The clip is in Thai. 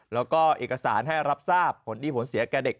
แล้วก็เอกสารให้รับทราบผลดีผลเสียแก่เด็ก